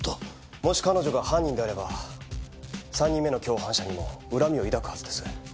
もし彼女が犯人であれば３人目の共犯者にも恨みを抱くはずです。